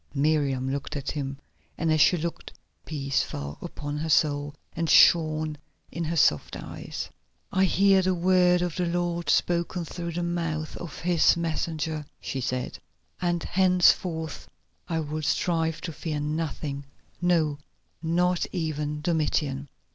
Miriam looked at him, and as she looked peace fell upon her soul and shone in her soft eyes. "I hear the word of the Lord spoken through the mouth of His messenger," she said, "and henceforth I will strive to fear nothing, no, not even Domitian."